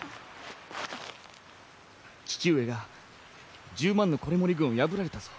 父上が１０万の維盛軍を破られたぞ。